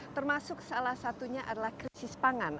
termasuk salah satunya adalah krisis pangan